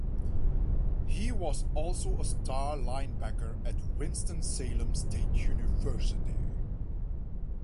He was also a star linebacker at Winston-Salem State University.